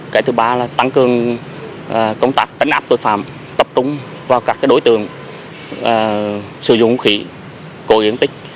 cái thứ ba là tăng cường công tác tấn áp tội phạm tập trung vào các đối tượng sử dụng khủng khí cội gây thương tích